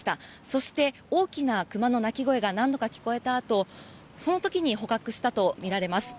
そして、大きなクマの鳴き声が何度か聞こえたあとその時に捕獲したとみられます。